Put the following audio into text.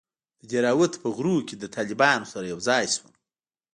د دهراوت په غرونو کښې له طالبانو سره يوځاى سوم.